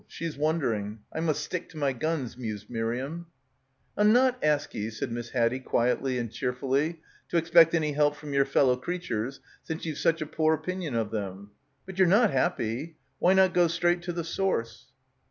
She is wondering. I must stick to my guns,' mused Miriam. "I'll not ask ye," said Miss Haddie quietly and cheerfully, "to expect any help from yer fellow creatures since ye've such a poor opinion of them. But ye' re not happy. Why not go straight to the source